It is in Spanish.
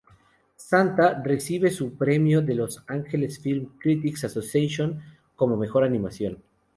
Santa" recibe un premio de Los Angeles Film Critics Association como mejor animación.